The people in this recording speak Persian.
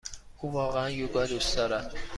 او واقعا یوگا دوست دارد.